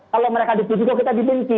kalau mereka di pudjiko kita dibunci